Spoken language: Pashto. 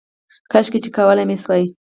کاشکې چې کولی مې شوای